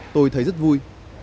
tôi thấy rất vui